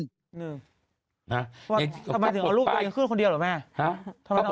ทำไมถึงเอารูปเกินขึ้นคนเดียวหรอกแม่